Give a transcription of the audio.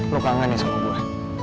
lo kangen ya sama gue